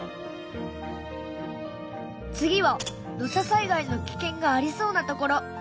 次は土砂災害の危険がありそうな所。